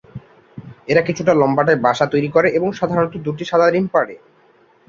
এরা কিছুটা লম্বাটে বাসা তৈরি করে এবং সাধারণত দুটি সাদা ডিম পাড়ে।